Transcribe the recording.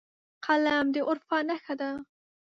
قلم د عرفان نښه ده